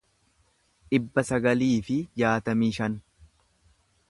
dhibba sagalii fi jaatamii shan